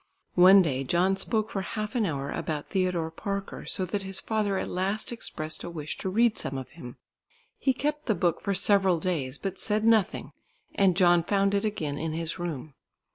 One day John spoke for half an hour about Theodore Parker, so that his father at last expressed a wish to read some of him. He kept the book for several days, but said nothing, and John found it again in his room.